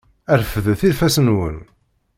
Refdet ifassen-nwen!